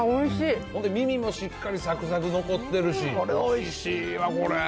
本当、耳もしっかりさくさく残ってるし、これおいしいわ、これ。